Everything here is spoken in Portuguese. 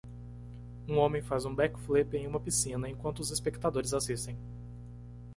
Um homem faz um back flip em uma piscina enquanto os espectadores assistem.